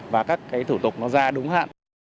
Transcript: và các cái thủ tục nó ra đúng hạn